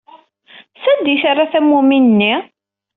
Sanda ay terra tammumin-nni?